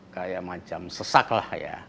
kayak macam sesaklah ya